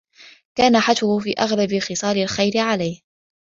كَانَ حَتْفُهُ فِي أَغْلَبِ خِصَالِ الْخَيْرِ عَلَيْهِ